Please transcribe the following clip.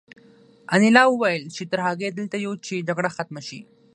انیلا وویل چې تر هغې دلته یو چې جګړه ختمه شي